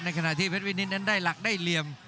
ในขณะที่เพดวินิสก็ได้หลักใดเหลี่ยม